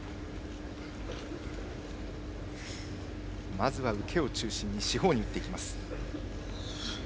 まずは受けを中心に四方に打っていきます。